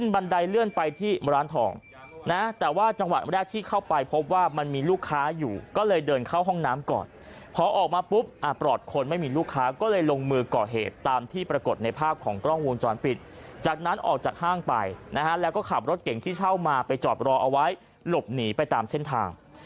บุคค้าก็เลยลงมือก่อเหตุตามที่ปรากฏในภาพของกล้องวงจรปิดจากนั้นออกจากห้างไปนะฮะแล้วก็ขับรถเก่งที่เช่ามาไปจอดรอเอาไว้หลบหนีไปตามเส้นทาง